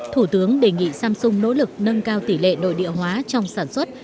thủ tướng đề nghị samsung nỗ lực nâng cao tỷ lệ nội địa hóa trong sản xuất